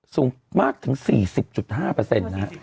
สูงมากถึง๔๐๕นะฮะ